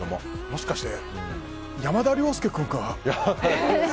もしかして、山田涼介君かな。